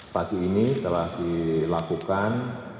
pagi ini telah dilakukan